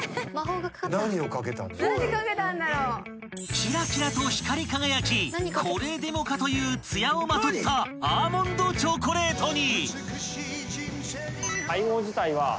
［キラキラと光り輝きこれでもかという艶をまとったアーモンドチョコレートに］